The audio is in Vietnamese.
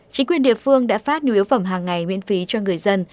chính quyền địa phương đã phát nhu yếu phẩm hàng ngày miễn phí cho người dân